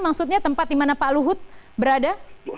maksudnya tempat di mana pak luhut berada